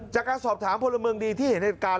จากการสอบถามพลเมืองดีที่เห็นเหตุการณ์